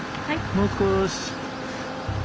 もう少し。